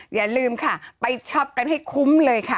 อย่าลืมค่ะไปช็อปกันให้คุ้มเลยค่ะ